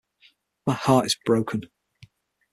My heart is broken.